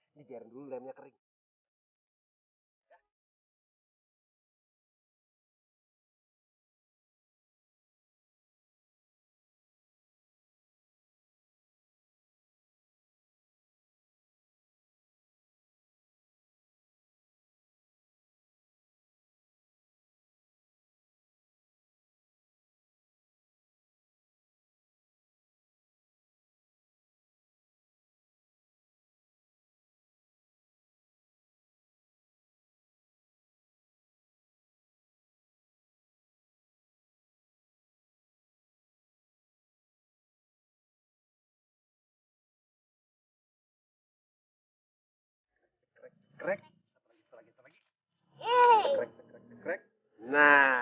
biar dulu lamanya kering